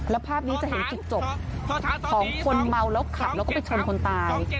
แล้วภาพนี้จะเห็นจุดจบของคนเมาแล้วขับแล้วก็ไปชนคนตาย